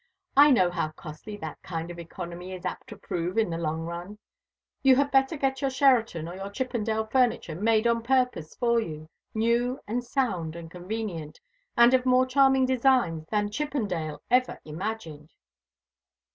"I know how costly that kind of economy is apt to prove in the long run. You had better get your Sheraton or your Chippendale furniture made on purpose for you, new and sound and convenient, and of more charming designs than Chippendale ever imagined."